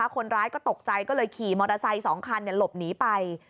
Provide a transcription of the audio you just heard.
คนร้ายก็ตกใจก็เลยขี่มอเตอร์ไซค์๒คันหลบหนีไป